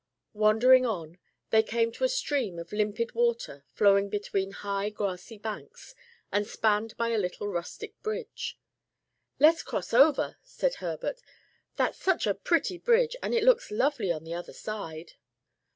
Wandering on, they came to a stream of limpid water flowing between high grassy banks, and spanned by a little rustic bridge. "Let's cross over," said Herbert, "that's such a pretty bridge, and it looks lovely on the other side."